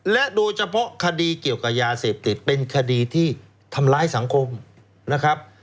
และโดยเฉพาะคดีเกี่ยวกับยาเสพติดเป็นคดีที่ทำร้ายสังคมนะครับ